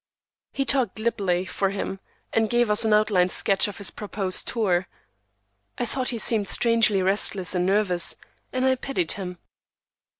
He talked glibly, for him, and gave us an outline sketch of his proposed tour. I thought he seemed strangely restless and nervous, and I pitied him.